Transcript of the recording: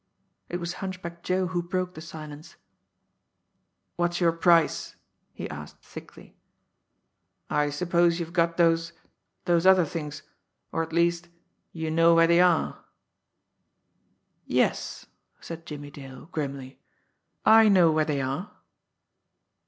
It was Hunchback Joe who broke the silence. "What's your price?" he asked thickly. "I suppose you've got those those other things, or at least you know where they are." "Yes," said Jimmie Dale grimly, "I know where they are."